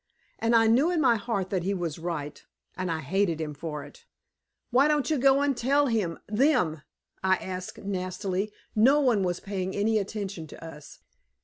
And I knew in my heart that he was right, and I hated him for it. "Why don't you go and tell him them?" I asked nastily. No one was paying any attention to us.